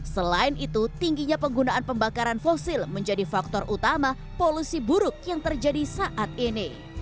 selain itu tingginya penggunaan pembakaran fosil menjadi faktor utama polusi buruk yang terjadi saat ini